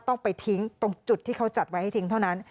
ต้องไปทิ้งตรงจุดที่เขาจัดไว้ให้ทิ้งเท่านั้น